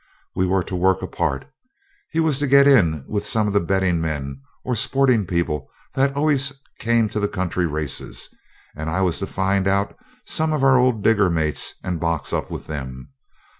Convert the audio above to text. We were to work apart. He was to get in with some of the betting men or sporting people that always came to country races, and I was to find out some of our old digger mates and box up with them.